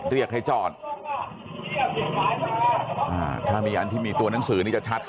เรียกให้จอดอ่าถ้ามีอันที่มีตัวหนังสือนี่จะชัด